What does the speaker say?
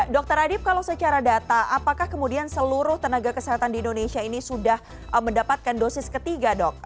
dr adib kalau secara data apakah kemudian seluruh tenaga kesehatan di indonesia ini sudah mendapatkan dosis ketiga dok